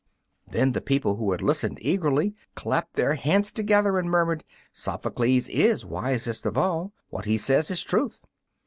Then the people, who had listened eagerly, clapped their hands together and murmured, "Sophocles is wisest of all. What he says is truth."